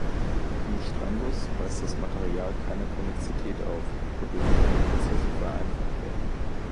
Im Strangguss weist das Material keine Konizität auf, wodurch Folgeprozesse vereinfacht werden.